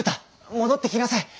戻ってきなさい！